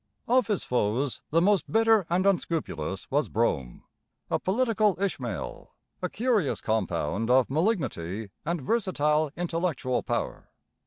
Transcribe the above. Of his foes, the most bitter and unscrupulous was Brougham, a political Ishmael, a curious compound of malignity and versatile intellectual power.